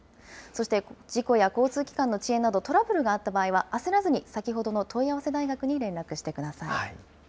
そして事故や交通機関の遅延など、トラブルがあった場合は、焦らずに先ほどの問合せ大学に連絡してください。